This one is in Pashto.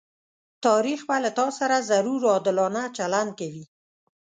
تاريخ به له تاسره ضرور عادلانه چلند کوي.